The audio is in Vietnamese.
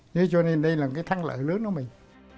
thế cho nên đây là cái thắng lợi lớn của mình